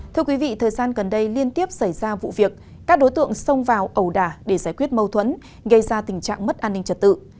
thưa quý vị thời gian gần đây liên tiếp xảy ra vụ việc các đối tượng xông vào ẩu đả để giải quyết mâu thuẫn gây ra tình trạng mất an ninh trật tự